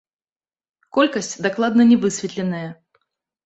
Колькасць дакладна не высветленая.